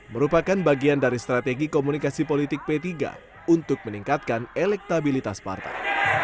merupakan bagian dari strategi komunikasi politik p tiga untuk meningkatkan elektabilitas partai